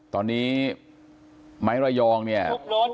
ตอนนี้ไม้ระยองเนี่ย